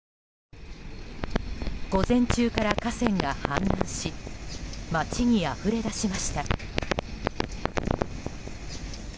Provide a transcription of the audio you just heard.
午前中から河川が氾濫し街にあふれだしました。